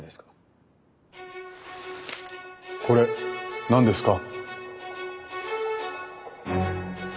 これ何ですか？